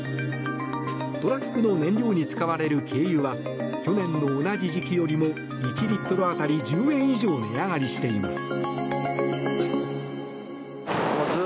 トラックの燃料に使われる軽油は去年の同じ時期よりも１リットル当たり１０円以上値上がりしています。